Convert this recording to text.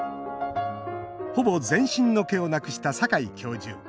ほぼ全身の毛をなくした坂井教授。